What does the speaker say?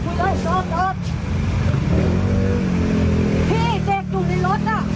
พี่เด็กอยู่ในรถอ่ะ